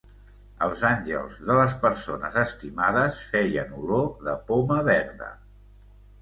Els àngels de les persones estimades feien olor de poma verda.